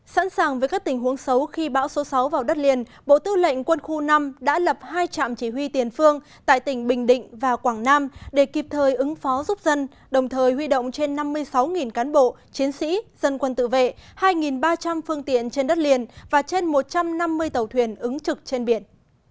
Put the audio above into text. sẵn sàng với các tình huống xấu khi bão số sáu vào đất liền bộ tư lệnh quân khu năm đã lập hai trạm chỉ huy tiền phương tại tỉnh bình định và quảng nam để kịp thời ứng phó giúp dân đồng thời huy động trên năm mươi sáu cán bộ chiến sĩ dân quân tự vệ hai ba trăm linh phương tiện trên đất liền và trên một trăm năm mươi tàu thuyền ứng trực trên biển